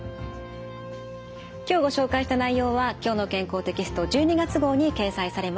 今日ご紹介した内容は「きょうの健康」テキスト１２月号に掲載されます。